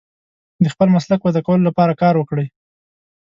د خپل مسلک وده کولو لپاره کار وکړئ.